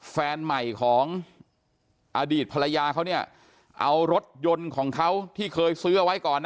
แฟนใหม่ของอดีตภรรยาเขาเนี่ยเอารถยนต์ของเขาที่เคยซื้อเอาไว้ก่อนนะ